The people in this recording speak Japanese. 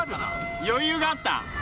余裕があった？